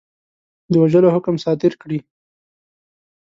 د وژلو حکم صادر کړي.